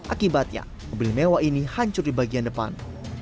akibatnya mobil mewah ini hancur di bagian depan